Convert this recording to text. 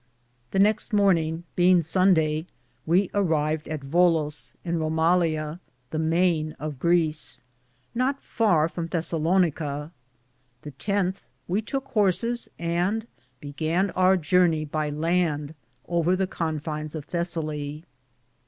The nexte morninge, beinge Sunday, we arived at Vola, in Romalea, the maine of Greece, not farr from Thessa lonica. The loth we touke horsis, and began our jurnaye by land over the Confines of Thessale.